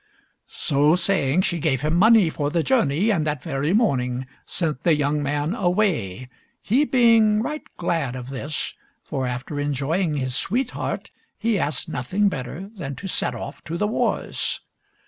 So saying, she gave him money for the journey, and that very morning sent the young man away, he being right glad of this, for, after enjoying his sweetheart, he asked nothing better than to set off to the wars.